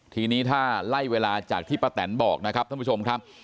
ทีนี้ถ้าไล่เวลาจากที่ป้าแตนบอกนะครับท่านผู้ชมครับ